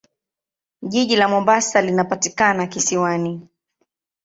Jiji la Mombasa linapatikana kisiwani.